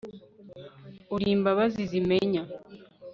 uri imbabazi zimenya